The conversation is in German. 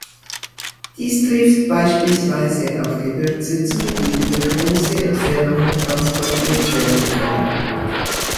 Dies trifft beispielsweise auf Gewürze zu, die über große Entfernungen transportiert werden können.